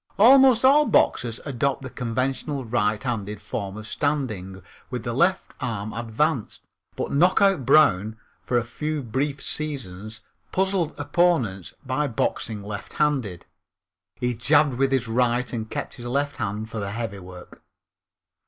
Almost all boxers adopt the conventional righthanded form of standing with the left arm advanced, but Knockout Brown, for a few brief seasons, puzzled opponents by boxing lefthanded. He jabbed with his right and kept his left hand for heavy work.